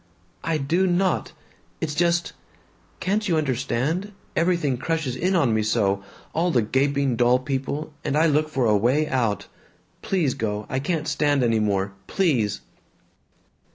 "I do not! It's just Can't you understand? Everything crushes in on me so, all the gaping dull people, and I look for a way out Please go. I can't stand any more. Please!"